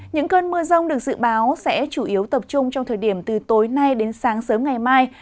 những cơn mưa rông được dự báo sẽ chủ yếu tập trung trong thời điểm từ tối nay đến sáng sớm ngày mai